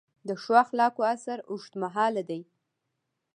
د ښو اخلاقو اثر اوږدمهاله دی.